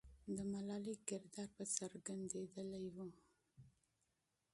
د ملالۍ کردار به څرګندېدلی وو.